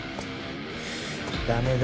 ダメだ。